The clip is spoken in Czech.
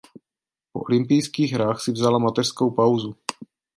Po olympijských hrách si vzala mateřskou pauzu.